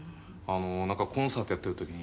「なんかコンサートやってる時に」